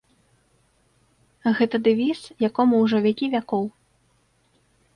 Гэта дэвіз, якому ўжо вякі вякоў.